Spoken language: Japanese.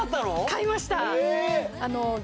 買いました！